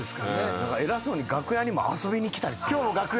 偉そうに楽屋にも遊びに来たりする。